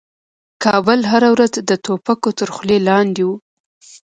کابل هره ورځ د توپکو تر خولې لاندې و.